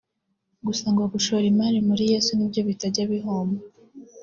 gusa ngo ngo gushora imari muri Yesu ni byo bitajya bihomba